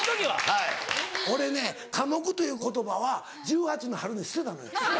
俺ね寡黙という言葉は１８の春に捨てたのよ。